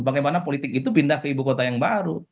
bagaimana politik itu pindah ke ibu kota yang baru